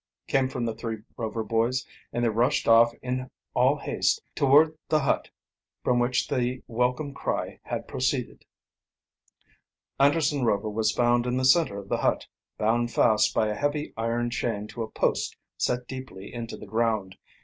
came from the three Rover boys, and they rushed off in all haste toward the nut from which the welcome cry had proceeded. Anderson Rover was found in the center of the hut, bound fast by a heavy iron chain to a post set deeply into the ground.